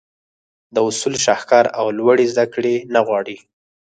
دا اصول شهکار او لوړې زدهکړې نه غواړي.